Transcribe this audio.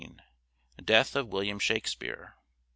Death of William Shakspere.